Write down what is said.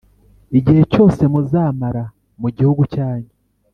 igihe cyose muzamara mu gihugu cyanyu